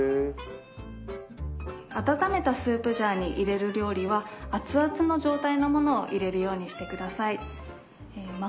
温めたスープジャーに入れる料理は熱々の状態のものを入れるようにして下さい。